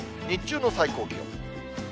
日中の最高気温。